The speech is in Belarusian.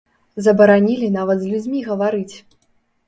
Забаранілі нават з людзьмі гаварыць.